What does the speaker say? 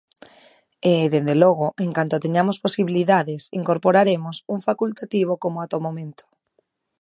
E, dende logo, en canto teñamos posibilidades, incorporaremos un facultativo como ata o momento.